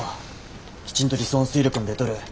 きちんと理想の推力も出とる。